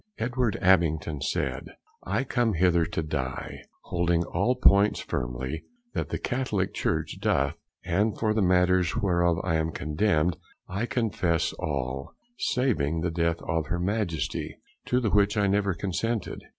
Edward Abington said, I come hither to die, holding all points firmly that the Catholick Church doth; and for the matters whereof I am condemned, I confess all, saving the death of Her Majesty, to the which I never consented.